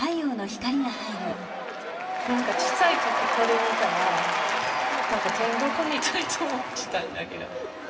何か小さい時これ見たら何か天国みたいと思ってたんだけど。